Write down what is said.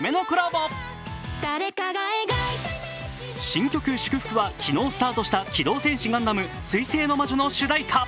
新曲「祝福」は昨日スタートした「機動戦士ガンダム水星の魔女」の主題歌。